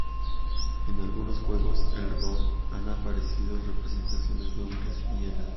En algunos juegos de rol han aparecido representaciones de hombres hiena.